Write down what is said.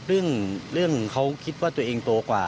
เรื่องเขาคิดว่าตัวเองโตกว่า